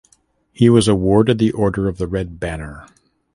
He was awarded the Order of the Red Banner.